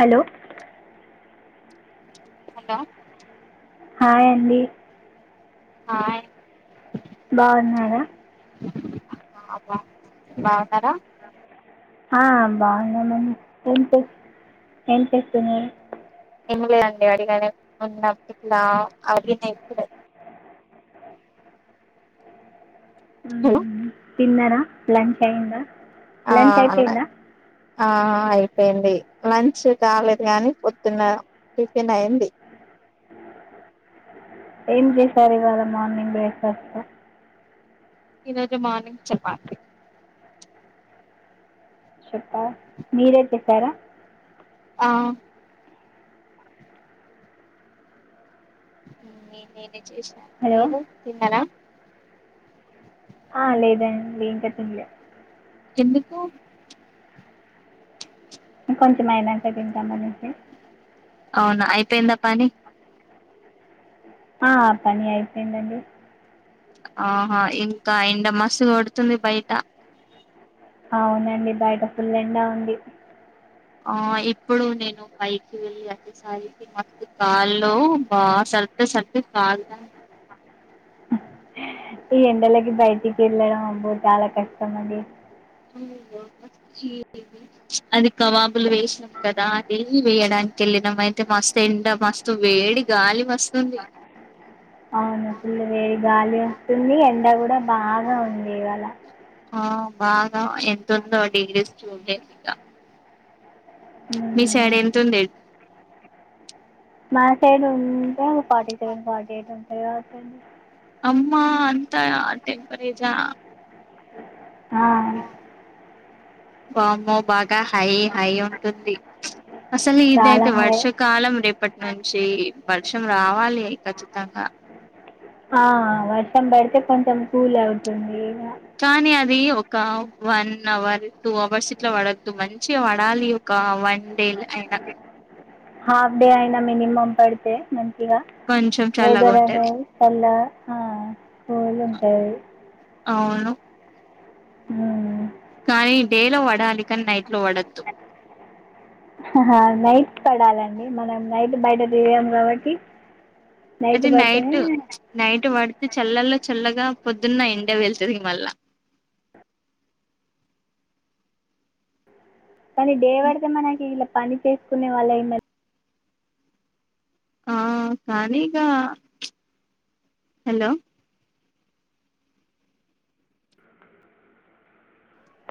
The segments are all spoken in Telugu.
హలో హలో హాయ్ అండి హాయ్ బాగున్నారా, అ బాగున్నార, ఆ బాగున్నాము అండి ఏం చే ఏం చేస్తున్నారు, ఏం లేదండి అడిగానే, [inaudible] హలో మ్మ్, తిన్నారా లంచ అయింద ఆ అన్నై ఆ ఆయి పెంది లంచ్ కాలేదు గానీ పొద్దున్న టిఫిన్ అయ్యంది ఏం చేశారు ఇవాళ మార్నింగ్ బ్రేక్ఫాస్ట్ లో ఈరోజు మార్నింగ్ చపాతి చెప్ప మీరే చెసారా ఆ నే నేనే చేషిన హలో మీరు తిన్నర ఆ లేదండి ఇంక తిన్లే ఎందుకు ఇంకొంచెం అయినంక తింటామనేసి అవున అయిపేంద పని ఆ పని అయిపెందండి ఆహా ఇంకా ఎండ మస్తు కొడుతుంది బయట అవునండి బయట ఫుల్ ఎండా ఉంది ఆ ఇప్పుడు నేను పైకి వెళ్ళి అచేసరికి మత్తు కాళ్ళు బాగా సర్దు సర్దు కాల్తంది ఈ ఎండలకి బయటికి వెళ్ళడం అబ్బో చాలా కష్టం అండి అది కబాబులు వేసినాం కదా అది వేయడానికి కెళ్ళినం అయితే మస్తు ఎండ మస్తు వేడి గాలి వస్తుంది అవును ఫుల్ వేడిగాలి ఫుల్ ఎండ కూడా బాగా ఉంది ఇవాళ హ బాగా ఎంత ఉందో డిగ్రీస్ చూడ్లేదిగ మీ మ్మ్. సైడ్ ఎంత ఉండేది మా సైడు ఉ two forty seven forty eight ఉ ఎలా వచ్చండి అమ్మ అంతా టెంపరేజా అ ఆవు వామ్మో బా కా హై హై ఉంటుంది అసలు చాలా ఇదైతే హై వర్షాకాలం రేపటి నుంచి వర్ష తను రావాలి ఖచ్చితంగా ఆ వర్షం పడితే కొంచెం కూల్ అవుతుంది ఇగ కానీ అది ఒక వన్ అవర్ టూ అవర్స్ ఇట్ల పడద్దు మంచిగా పడాలి ఒక వన్ డే అయినా హాఫ్ డే అయినా మినిమమ్ పడితే మన్ ఇగ గా కొంచెం చల్లగా హైదరాబాద్ ఉంటది పోయి పల్ల హ పోయాము అయి అవును మ్ కానీ డే లో పడాలి కానీ నైట్ లో పడొద్దు నైట్ పడాలండి మనం నైట్ బయట తీగాం కాబట్టి అది నైట్ నైట్ బడ్ చల్లల్లో చల్లగా పొద్దున్న ఎండే వెళ్తుంది మళ్ళా కానీ దేవాడద మనకి ఇ పని చేసుకునే వాళ్ళు అయి ఆ కానీకా హలో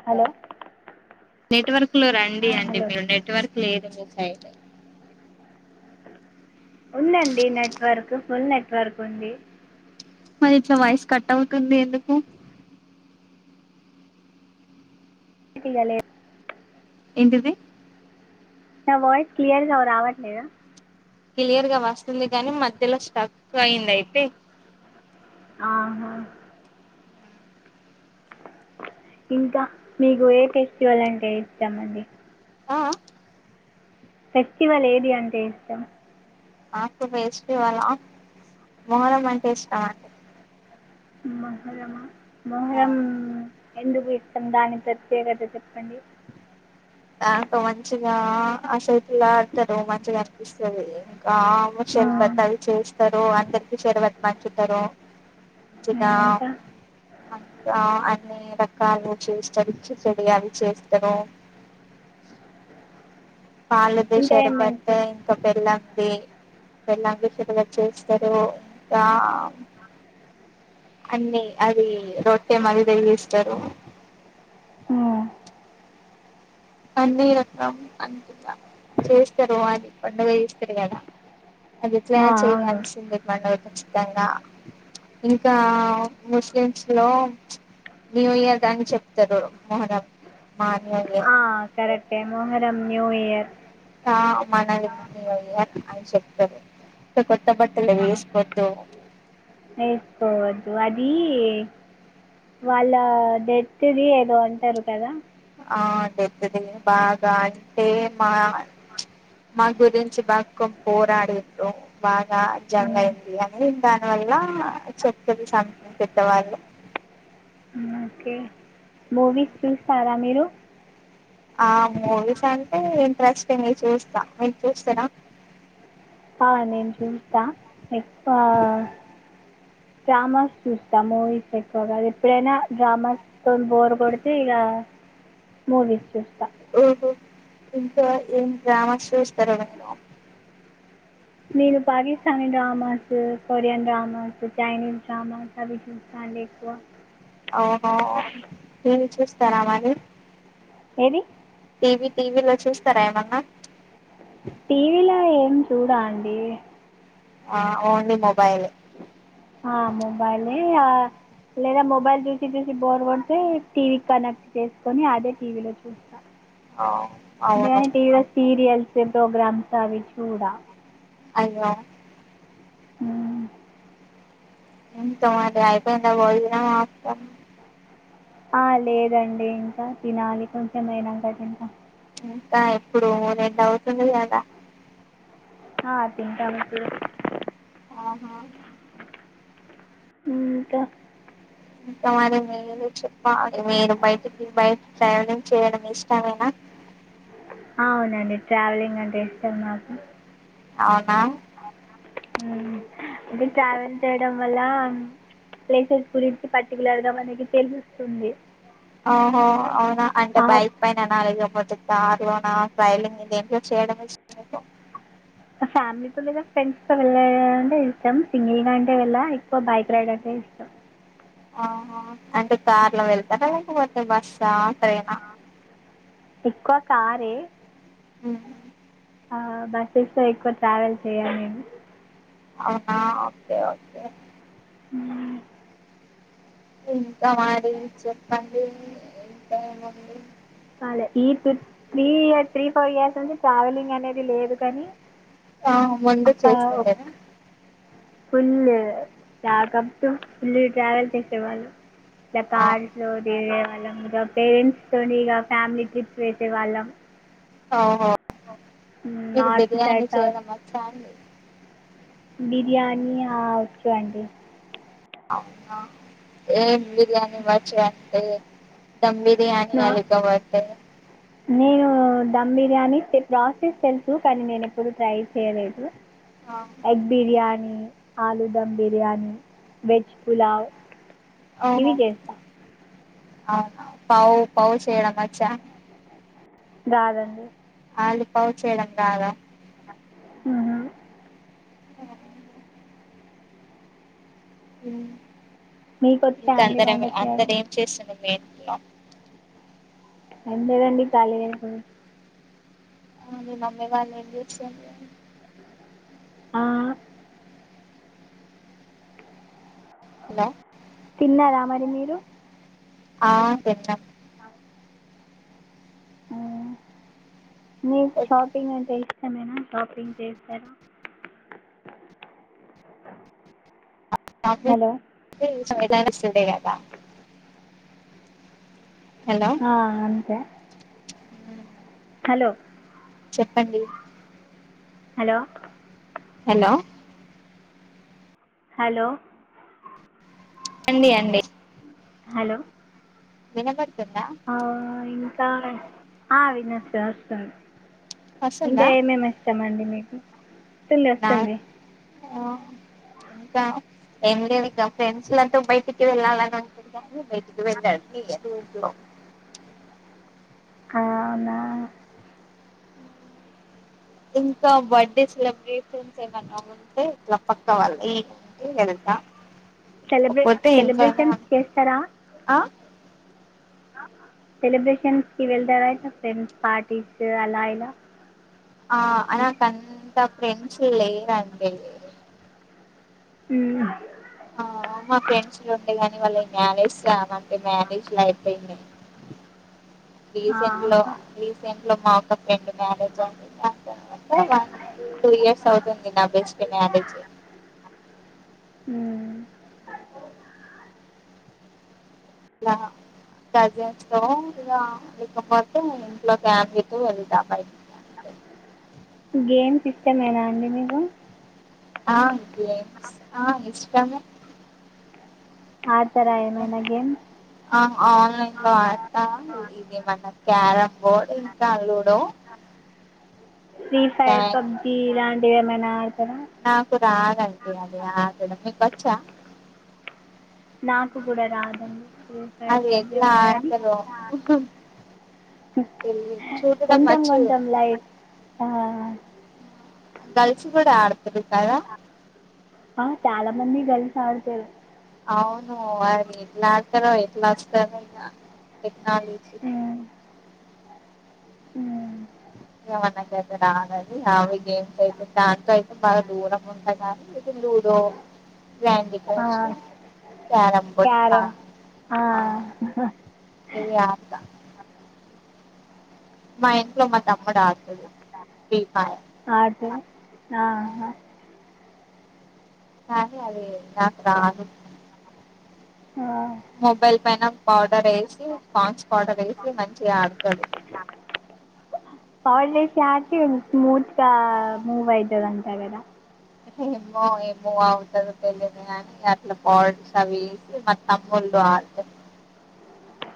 హలో నెట్వర్క్ లో రండి అండి హలో మీరు నెట్వర్క్ లేదు తెర్సయిట్ ఉందండి నెట్వర్క్ ఫుల్ నెట్వర్క్ ఉంది మరి ఇట్లా వయసు కట్ అవుతుంది ఎందుకు [unintelligible] ఎంటిది నా వోయిస్ క్లియర్ గా రావట్లేదా క్లియర్ గా వస్తుంది కానీ మధ్యలో స్టక్ అయింది అయితే ఆహా ఇంకా మీకు ఏ ఫెస్టివల్ అంటే ఇస్తాం అండి ఆ ఫెస్టివల్ ఏది అంటే ఇష్టం ఆకు ఫెస్టివల్ హా మొహారం అంటే ఇష్టం అండి ఇ మోహరమమా మహం ఎందుకు ఇష్టం దాని ప్రత్యేకత చెప్పండి నాకు మంచిగా ఆసైతులా ఆడతారు మంచిగా అనిపిస్తుంది ఆ అమ్మ చల్ బ ఉమ్, తళ చేస్తారు అంతరికి శరువత్ మంచుతారు మంచిగా ఇంకా [unintelligible] కాళ చేస్తారు ఇచ్చి చెడు అవి చేస్తారు పలుదు ఇంకా ఏమేమి శషరబట్ట చేస్తారు ఇంకా బెల్లం ఎలాషగా చుస్తారు ఇంకా అన్నీ అది రొట్టే మాది త ఇస్తారు ఉమ్, అన్ని రకం అంతగా చేస్తారు అని పండుగ చేస్తారు కదా అది ఎట్ల ఆ, అవును చేయాలిసందే [unintelligible] నిజంగా ఇంకా ముస్లిమ్స్ లో న్యూ ఇయర్ అని చెప్తారు మోహనం మాన్ ఆ కరెక్టే మొహరం న్యూ ఇయర్ ఆ మనాలి మమ్మ అయ్యారు అని చెప్పాము కొత్త బట్టలు వేసుకొద్దు వేసుకోవద్దు అది వాళ్ళ డెత్ద ది ఏదో అంటరు కద ఆ డెత్ ది బాగా అంటే మా మా గురించి బ పోరాదుర్రూ బాగా ఉమ్. జంగ ఆహా. అయింది అని దాని వల్ల చపుతరు సామెతలు పెద్దవాళ్ళు ఉమ్, ఓకే మూవీస్ చూస్తారా మీరు ఆ మూవీస్ అంటే ఇంట్రెస్ట్ చూస్త మీకు చూస్తర ఆ నేను చూస్త ఎక్కువ డ్రామాస్ చూస్త మూవీస్ ఎక్కువగా ఎప్పుడైనా డ్రామాస్ తో బోర్ కొడితే ఇగ మూవీస్ చూస్త ఓహో ఇంకా ఏం గ్రామస్ూ స్రమన కని dramas Korean dramas Chinese dramas అవి చూస్త అండి ఎక్కువ అవున మీరు చూస్తారా అవన్నీ ఎది టీవీ టీవీ లో చూసతర ఏమన్న టీవీ ల ఏం చూడ అండి ఆ ఓన్లీ మొబైల్ ఆ మొబైలే లేదా మొబైల్ చూసి చూసి బోర్ వడ్తే టీవీ కనెక్ట్ చేసుకొని అదే టీవీలో చూస్త ఆ అవును దేని టీవీలో సీరియల్ ప్రోగ్రామ్స్ అవి చూడ అయ్యో హమ్ ఏంటి మరి అయిపోయిందా భోజనం ఆఫ్టర్నూన్ ఆ లేదండి ఇంక తినాలి కొంచెం ఐనంక తింట ఇంక ఎప్పుడు రెండు అవుతుంది కద ఆ తింటామనడి ఆహా ఇంక సరి మ చె పా మీరు బయటికి బయట ట్రవలింగ్ చేయడం ఇష్టమేనా అవునండి ట్రావెలింగ్ అంటే ఇష్టం నాకు అవున అంటే ట్రావెల్ చేయడం వల్ల ప్లేసెస్ గురించి పర్టికులర్ గ మనకి తెలుస్తుంది ఓహో అవున అంటే ఆ బైక్ పైన అనాలకపోతుంది దార్నా సైలింగ్ ఇద ఏంటో చేయడంకు ఫ్యామిలీతో లేద ఫ్రెండ్స్ తో వెళ్ళ అంటే ఇష్టం సింగిల్ గా అంటే వెళ్ళ ఎక్కువ బైక్ రైడ్ అంటే ఇష్టం ఆహా అంటే కార్ లో వెళ్తారా లేకపోతే బస్సా ట్రైనా ఇకువ కారే హమ్ బస్సెస్ లో ఎక్కువ ట్రావెల్ చేయలేను అవున ఒకే ఒకే ఊ ఇంకా మరి చెప్పండి ఇంకా ఏం ఉంది అలే ఈ త్ three year three four years నుంచి ట్రావెలింగ్ అనేది లేదు కానీ ఆ ముందు చేస్తుండేనా ఫుల్లు ప్యాకప్ ఫుల్లీ ట్రావెల్ చేసేవాళ్ళు ట్ల ఆ కాట్ లో తిరిగే వాళ్ళం గా పేరెంట్స్ తోండి ఇగ ఫ్యామిలీ ట్రిప్స్ వెేసే వాళ్ళం ఆ మీకు నార్త్ బిర్యానీ సైడ్ సౌత్ చేయడం వచ్చా అండి బిర్యానీ ఆ వచ్చు అండి ఏం బి బర్యాని వచ్చు అన్ టే ధం బిర్యానీ నా అలిక వాటరు నేను ధమ్ బిర్యానీ తె ప్రాసెస్ తెలుసు కానీ నేను ఎప్పుడూ ట్రై చెయ్యలేదు ఆ, ఎగ్ బిర్యానీ ఆలూ ధమ్ బిర్యానీ వెజ్ పులావ్ ఇది ఓహో చేస్తా అవునా పౌ పౌ చేయడం వచ్చా రాదండి ఆలు పౌ చేయడం రాదా ఉఊ ఉమ్ మీకొచ్చా అండి వంట చేయడం ఏంట్లో ఏం లేదండి ఖాళీ రేపు ఆ మీ మమ్మీ వాళ్ళు ఏం చేస్తుండ్రు ఆ హలో తిన్నారా మరి మీరు ఆ తిన్నాం మ్మ్. మీకు షాపింగ్ అంటే ష్టమేనా షాపింగ్ చేస్తారా హలో [unintelligible] లా ఆ అంతే హలో చెప్పండి హలో హలో హలో అండి అండి హలో వినబడుత్తుందా ఆ, ఇంకా వినొస్తుంది ఓస్తుంది ఇంకా వస్తుందా ఏమేమి ఇష్టం మండి మీ వస్తుంది వస్తుంది ఆ ఇంకా ఏం లే ఇక ఫ్రెండ్స్ లతో బయటికి వెళ్ళాలని ఉంటుంది గని బయటికి ఇది వె [unintelligible] అవునా ఇంకా బర్త్డే సెలబ్రేషన్స్ ఏమన్నా ఉంటే ఇట్లా పక్క వాళ్ళ ఇంటి వెళ్తా సెలబే పోతే ఇంట్లోనే సెలబ్రేషన్స్ చేస్తారా ఆ సెలబ్రేషన్స్ కి వెళ్తారాలా ఫ్రెండ్స్ పార్టీస్ అలా ఇలా ఆ అనా కంతా ఫ్రెండ్స్ లేరండి హూ ఆ మా ఫ్రెండ్స్ లో ఉండేగాని వాళ్ళు మ్యారేజ్ మ్యారేజ్లు అయిపోయినాయి [inaudible] రీసెంట్ లో ఆహా. రీసెంట్ లో మా అక్క రెండు మ్యారేజ్ అయినా తరువాత వన్ టూ ఇయర్స్ అవుతుంది నా బెస్టీ మ్యారేజ్ అయి అ [inaudible] ఇలా కజన్స్ తో ఇగ లేక పోతే ఇంట్లో ఫ్యామిలీ తో వెళ్తా బయటికి అంతే గేమ్స్ ఇష్టమేనా అండి మీకు ఆ గేమ్స్ ఆ ఇష్టమే ఆడ్ ఆ ఆన్లైన్ లో ఆడతా ఇది ఏమన్నా క్యారం బోర్డ్ ఇంకా లూడో ఫ్రీ క్యా ఫైర్ తో పబ్జీ లాంటి ఏమైనా ఆడుతారా నాకు రాదండీ అది. ఆడడం మీకు వచ్చా నాకు కూడా రాదండి ఫ్రీ ఫైర్ అది ఎట్లా పబ్జీఅవి ఆడతారో తెలిదు చూడడం కొంచెం వచ్చు కొంచెం లైట్ గర్ల్స్ కూడా ఆడత చాలా మంది తెలి సార్ చే అవును వారు ఎట్లా ఆడతారో ఎట్లా వస్తార చాలేజ ఉ [unintelligible] అవి గే అయితే దాంట్ అయితే బాగా దూరం ఉండగానీ ఇది లూడో గ్యాండీ ఆ, క్రష్ క్యారం బోడ్లా క్యారమ్ ఆ, ఇది ఆ మా ఇంట్లో మా తమ్ముడు ఆ అద ఆ అదే నాకు రాను ఆ, మొబైల్ పైన ఆ వేసి స్న్స్ పాట వేసి మంచిగా ఆడతాడు పర్ ేసి హక స్మూత్గా మూవ్ అయితుద అంతగద ఏమో ఏమో అవుతుందో తెలియదు కాని అట్లా పాడ్స్ అవిసి మా తమ్ముళ్ళు ఆడత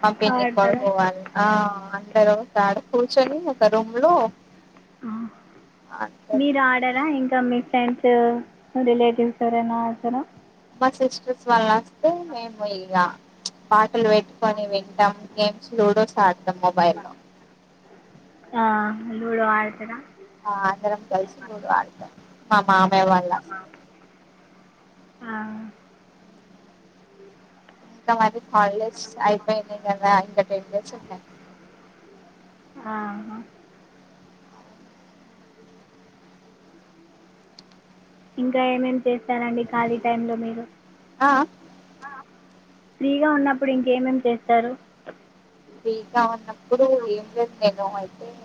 ఆ పి కొల్ ఆడతారా పో ఆ అండరు త ఆడ కూర్చొని ఒక రూమ్ లో ఆడతారు మీరు ఆడరా ఇంకా మీ ఫ్రెండ్స్ రిలేటివ్స్ ఎవరనా ఆతార బస్ ఎస్ వళ్ళస్ మేము పోయలా పా క్కలు పెట్టుకొని వింటాం గేమ్స్ లూడోస్ ఆడటాం మొబైల్ లో లుడో ఆడతార ఆ అందరం కలిసి లుడో అడత మా మామే వాళ్లా ఆ హాల హాలిడేస్ అయిపోయినాయి కదా అందుకే [unintelligible] ఆహా. ఇంకా ఏమేం చేస్తానండి ఖాళీ టైంలో మీరు ఆ ఫ్రీగా ఉన్నప్పుడు ఇంకేమేం చేస్తారు ఫ్రీగా ఉన్నప్పుడు ఏం లేదు నేను అయితే